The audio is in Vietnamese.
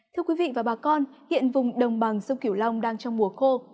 thưa quý vị và bà con hiện vùng đồng bằng sông kiểu long đang trong mùa khô